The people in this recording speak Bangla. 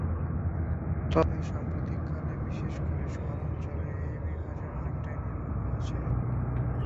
তবে সাম্প্রতিককালে, বিশেষ করে শহরাঞ্চলে, এই বিভাজন অনেকটাই নির্মূল হয়েছে।